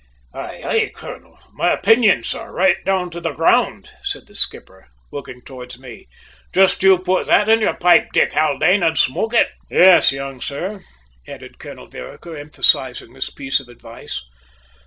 "Aye, aye, colonel. My opinion, sir, right down to the ground," said the skipper, looking towards me. "Just you put that in your pipe, Dick Haldane, and smoke it!" "Yes, young sir," added Colonel Vereker, emphasising this piece of advice.